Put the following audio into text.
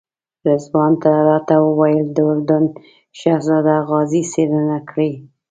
رضوان راته وویل د اردن شهزاده غازي څېړنه کړې.